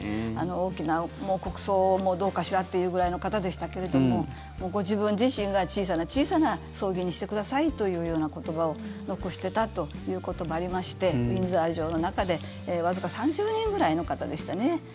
大きな国葬もどうかしらというぐらいの方でしたけれどもご自分自身が小さな小さな葬儀にしてくださいというような言葉を残してたということもありましてウィンザー城の中でわずか３０人ぐらいの方でしたね